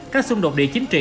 các xung đột địa chính trị